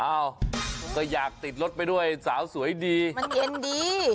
อ้าวก็อยากติดรถไปด้วยสาวสวยดีมันเย็นดี